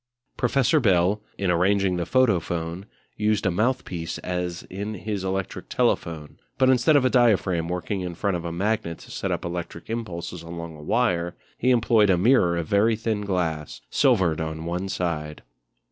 Professor Bell, in arranging the Photophone, used a mouthpiece as in his electric telephone, but instead of a diaphragm working in front of a magnet to set up electric impulses along a wire he employed a mirror of very thin glass, silvered on one side.